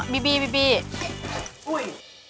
บีบี้บีบี้อุ้ย